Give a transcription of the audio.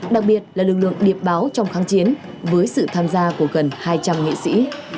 đặc biệt là lực lượng điệp báo trong kháng chiến với sự tham gia của gần hai trăm linh nghệ sĩ